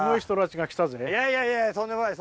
いやいやいやとんでもないです